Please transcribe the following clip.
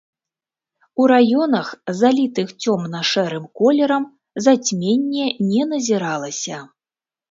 У раёнах, залітых цёмна-шэрым колерам, зацьменне не назіралася.